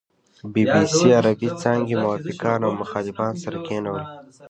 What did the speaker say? بي بي سي عربې څانګې موافقان او مخالفان سره کېنول.